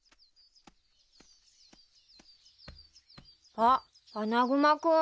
あっアナグマ君。